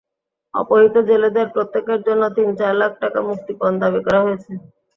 অপহৃত জেলেদের প্রত্যেকের জন্য তিন-চার লাখ টাকা মুক্তিপণ দাবি করা হয়েছে।